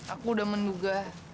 aku udah menduga